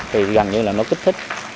thì gần như là nó kích thích